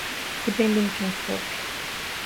Sipendi mtu mfupi